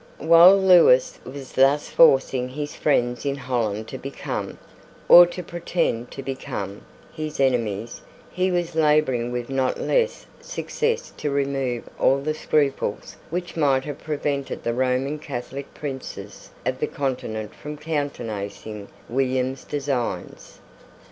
While Lewis was thus forcing his friends in Holland to become, or to pretend to become, his enemies, he was labouring with not less success to remove all the scruples which might have prevented the Roman Catholic princes of the Continent from countenancing William's designs.